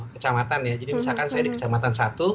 kecamatan ya jadi misalkan saya di kecamatan satu